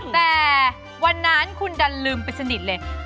แต่วันนั้นคุณดันลืมไปสนิทเลย